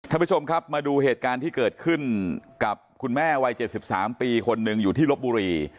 ทหับมาดูเหตุการณ์ที่เกิดขึ้นกับคุณแม่วัย๗๓คนนึงอยู่ที่รบบุรี